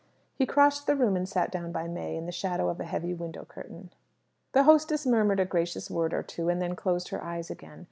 He crossed the room and sat down by May in the shadow of a heavy window curtain. The hostess murmured a gracious word or two and then closed her eyes again.